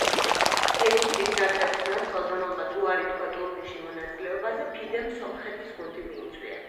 ეგვიპტის ნაკრების ნაცვლად, რომელმაც უარი თქვა ტურნირში მონაწილეობაზე, ფიდემ სომხეთის გუნდი მიიწვია.